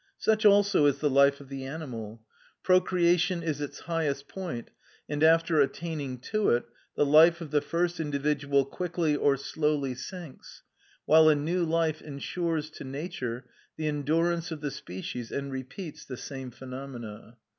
Such also is the life of the animal; procreation is its highest point, and after attaining to it, the life of the first individual quickly or slowly sinks, while a new life ensures to nature the endurance of the species and repeats the same phenomena.